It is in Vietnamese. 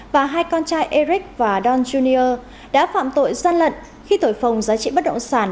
và hai con trai eric và don jr đã phạm tội gian lận khi thổi phồng giá trị bất động sản